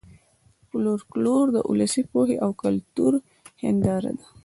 فولکلور د ولسي پوهې او کلتور هېنداره ده